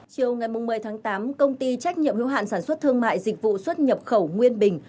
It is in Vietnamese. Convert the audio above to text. chiều ngày một mươi tháng tám công ty trách nhiệm hữu hạn sản xuất thương mại dịch vụ xuất nhập khẩu nguyên bình